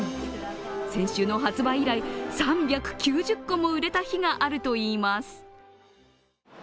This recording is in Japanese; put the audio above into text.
先週の発売以来、３９０個も売れた日があるといいます。